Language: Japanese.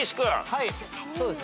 はいそうですね。